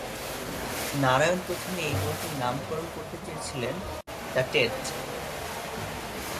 নারায়ণ প্রথমে এই বইটির নামকরণ করতে চেয়েছিলেন "দ্য টেট"।